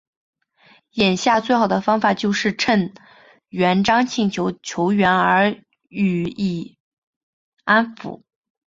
眼下最好的办法就是趁袁谭请求救援而予以安抚。